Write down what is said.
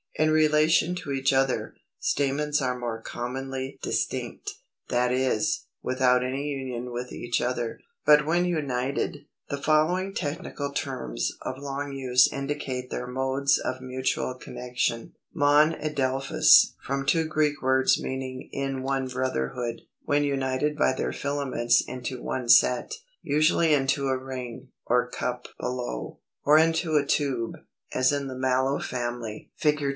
283. =In Relation to each Other=, stamens are more commonly Distinct, that is, without any union with each other. But when united, the following technical terms of long use indicate their modes of mutual connection: Monadelphous (from two Greek words, meaning "in one brotherhood"), when united by their filaments into one set, usually into a ring or cup below, or into a tube, as in the Mallow Family (Fig.